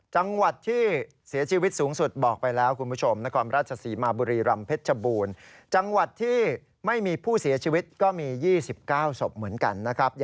จังหวัดที่เสียชีวิตสูงสุดบอกไปแล้วคุณผู้ชมนครราชศรีมาบุรีรำเพชรบูรณ์จังหวัดที่ไม่มีผู้เสียชีวิตก็มี๒๙ศพเหมือนกันนะครับ